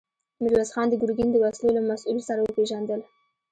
ميرويس خان د ګرګين د وسلو له مسوول سره وپېژندل.